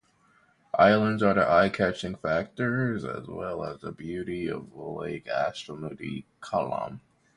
Islands are the eye-catching factors as well as the beauty of Lake Ashtamudi, Kollam.